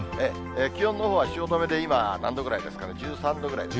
気温のほうは汐留で今、何度ぐらいですかね、１３度ぐらい。